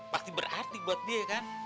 pasti berarti buat dia kan